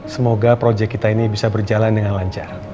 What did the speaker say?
semoga proyek kita ini bisa berjalan dengan lancar